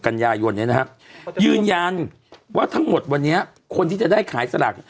กันยายนเนี่ยนะฮะยืนยันว่าทั้งหมดวันนี้คนที่จะได้ขายสลาก